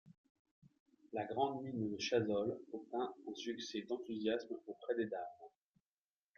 La grande mine de Chazolles obtint un succès d'enthousiasme auprès des dames.